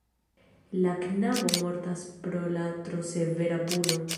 La knabo mortas pro la tro severa puno.